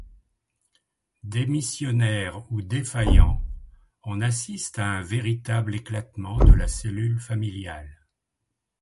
Démissionnaires ou défaillants, on assiste à un véritable éclatement de la cellule familiale.